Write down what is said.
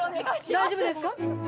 大丈夫ですか？